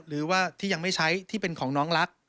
หรือว่าที่ยังไม่ใช้ที่เป็นของน้องรัก